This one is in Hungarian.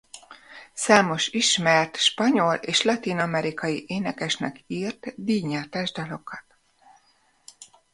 Számos ismert spanyol és latin-amerikai énekesnek írt díjnyertes dalokat.